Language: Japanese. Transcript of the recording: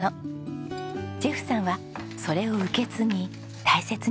ジェフさんはそれを受け継ぎ大切に使っています。